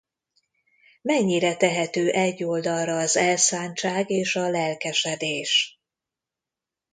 Mennyire tehető egy oldalra az elszántság és a lelkesedés?